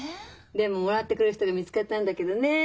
でももらってくれる人が見つかったんだけどね。